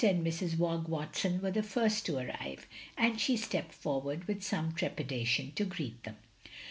and Mrs. Hogg Watson were the first to arrive, and she stepped forward with some trep idation, to greet them.